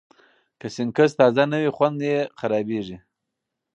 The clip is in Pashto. که سنکس تازه نه وي، خوند یې خرابېږي.